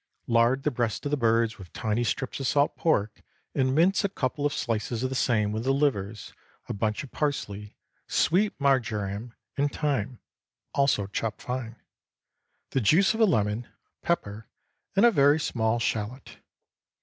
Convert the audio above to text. Lard the breasts of the birds with tiny strips of salt pork, and mince a couple of slices of the same with the livers, a bunch of parsley, sweet marjoram, and thyme, also chopped fine, the juice of a lemon, pepper, and a very small shallot.